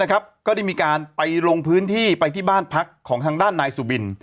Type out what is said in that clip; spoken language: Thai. ก็ได้มีการไปลงพื้นที่ไปที่บ้านพักของทางด้านนายสุบิน